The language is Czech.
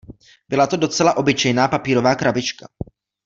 Byla to docela obyčejná papírová krabička.